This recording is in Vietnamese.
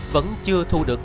vẫn chưa thu được